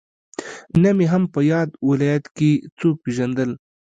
نه مې هم په ياد ولايت کې څوک پېژندل.